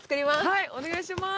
はいお願いします